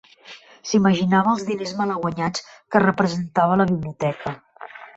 S'imaginava els diners malaguanyats que representava la biblioteca.